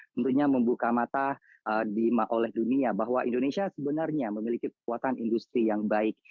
tentunya membuka mata oleh dunia bahwa indonesia sebenarnya memiliki kekuatan industri yang baik